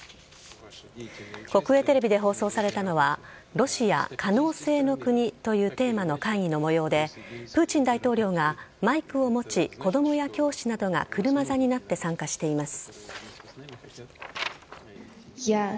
国営テレビで放送されたのはロシア・可能性の国というテーマの会議の模様でプーチン大統領がマイクを持ち子供や教師などが車座になって参加しています。